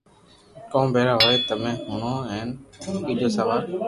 ڪون پيروا ھوئي تمي ھڻَو ھين ٻآجو سوال